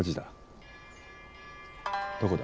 どこだ。